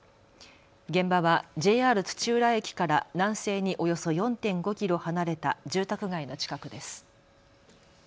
現場はＪＲ土浦駅から南西におよそ４．５キロ離れた住宅街の近くです。